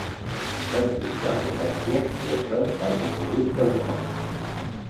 Sentim les molèsties que això t'hagi pogut causar.